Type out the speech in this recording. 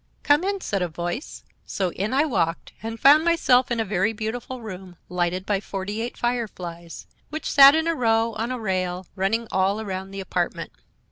"'Come in!' said a voice; so in I walked, and found myself in a very beautiful room, lighted by forty eight fireflies, which sat in a row on a rail running all around the apartment.